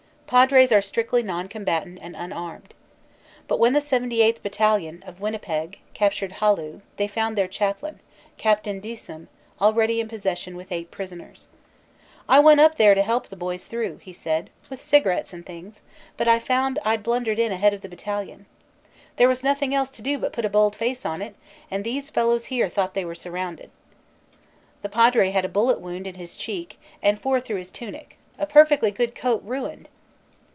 Padres are strictly non combatant and unarmed. But when the 78th. Battalion, of Winnipeg, captured Hallu they found their chaplain, Capt. d Easum, already in possession SIDELIGHTS OF BATTLE 79 with eight prisoners. "I went up there to help the boys through," he said, "with cigarettes and things, but found I d blundered in ahead of the battalion. There was nothing else to do but put a bold face on it and these fellows here thought they were surrounded." The padre had a bullet wound in his cheek and four through his tunic "a perfectly good coat ruined!"